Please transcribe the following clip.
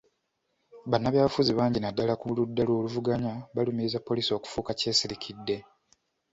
Bannabyabufuzi bangi naddala ku ludda oluvuganya balumirizza poliisi okufuuka kyesirikidde.